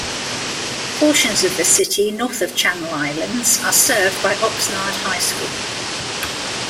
Portions of the city north of Channel Islands are served by Oxnard High School.